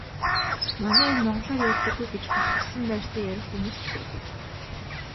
Манай энэ монголоор ярьдаггүй гэж бахархсан байртай ярих хүмүүс ч байдаг.